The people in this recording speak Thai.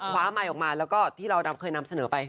คว้าใหม่ออกมาแล้วก็ที่เราเคยนำเสนอไป